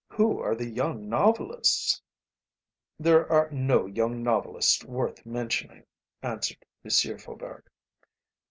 Who are the young novelists?" "There are no young novelists worth mentioning," answered M. Faubourg.